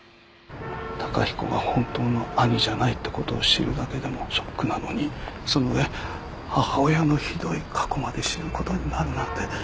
崇彦が本当の兄じゃないって事を知るだけでもショックなのにその上母親のひどい過去まで知る事になるなんて。